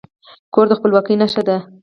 کور د خپلواکي نښه ده.